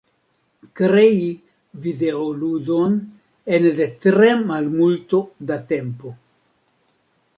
Krei videoludon ene de tre malmulto da tempo.